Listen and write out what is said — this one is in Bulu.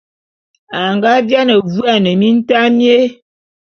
A nga viane vuane mintaé mié.